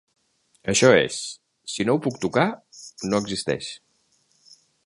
Això és, si no ho puc tocar, no existeix.